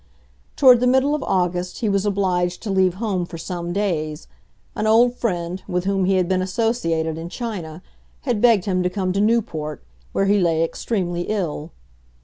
Toward the middle of August he was obliged to leave home for some days; an old friend, with whom he had been associated in China, had begged him to come to Newport, where he lay extremely ill.